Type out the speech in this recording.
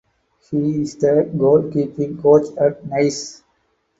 He is the goalkeeping coach at Nice.